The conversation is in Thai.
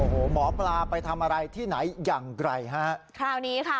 โอ้โหหมอปลาไปทำอะไรที่ไหนอย่างไกลฮะคราวนี้ค่ะ